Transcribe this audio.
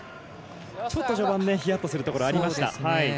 序盤、ヒヤッとするところがありました。